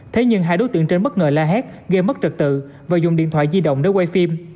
thế nhưng hai đối tượng trên bất ngờ la hét gây mất trật tự và dùng điện thoại di động để quay phim